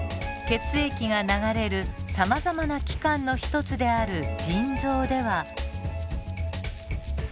血液が流れるさまざまな器官の一つである腎臓では。